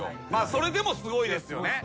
それでもすごいですよね。